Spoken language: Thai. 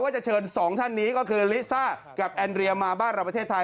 จะเชิญสองท่านนี้ก็คือลิซ่ากับแอนเรียมาบ้านเราประเทศไทย